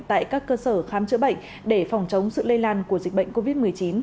tại các cơ sở khám chữa bệnh để phòng chống sự lây lan của dịch bệnh covid một mươi chín